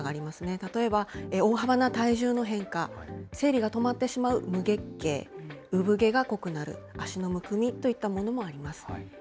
例えば大幅な体重の変化、生理が止まってしまう無月経、産毛が濃くなる、足のむくみといったものもあります。